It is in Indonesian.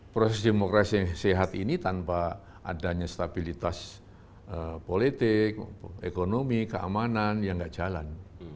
proses demokrasi yang sehat ini tanpa adanya stabilitas politik ekonomi keamanan yang tidak jalan